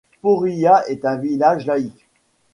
Poriya est un village laïc.